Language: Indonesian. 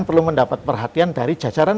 perlu mendapat perhatian dari jajaran